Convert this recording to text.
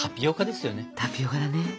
タピオカだね。